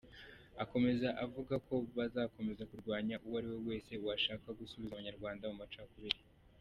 Akomeza avuga ko bazakomeza kurwanya uwo ari we wese washaka gusubiza abanyarwanda mu macakubiri.